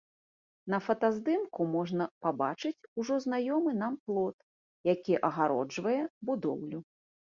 На фатаздымку можна пабачыць ужо знаёмы нам плот, які агароджвае будоўлю.